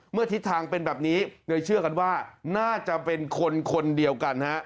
ทิศทางเป็นแบบนี้เลยเชื่อกันว่าน่าจะเป็นคนคนเดียวกันฮะ